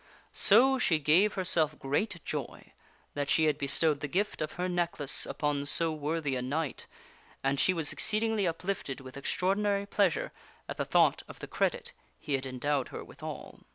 So she gave herself great joy that she had bestowed the gift of her necklace upon so worthy a knight, and she was exceedingly uplifted with extraordinary pleasure at the thought of the credit he had endowed her withal.